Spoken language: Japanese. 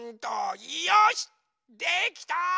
よしできた！